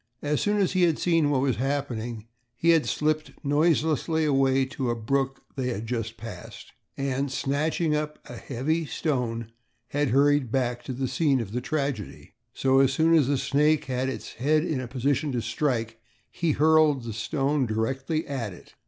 As soon as he had seen what was happening he had slipped noiselessly away to a brook they had just passed and, snatching up a heavy stone, had hurried back to the scene of the tragedy. So, as soon as the snake had its head in a position to strike he hurled the stone directly at it.